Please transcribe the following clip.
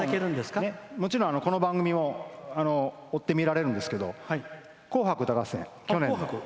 もちろん、この番組を追って見られるんですけど「紅白歌合戦」去年の。